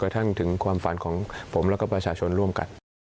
ทั้งถึงความฝันของผมแล้วก็ประชาชนร่วมกัน